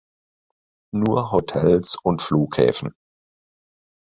Nur Hotels und Flughäfen.